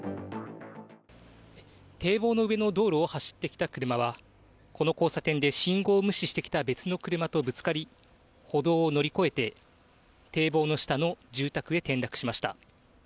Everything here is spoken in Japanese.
堤防の上の道路を走ってきた車は、この交差点で信号を無視してきた別の車とぶつかり、歩道を乗り越えて、堤防の下の住宅へ転落しました。